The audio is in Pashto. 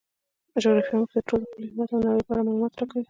جغرافیه موږ ته د خپل هیواد او نړۍ په اړه معلومات راکوي.